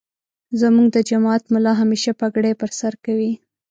زمونږ دجماعت ملا همیشه پګړی پرسرکوی.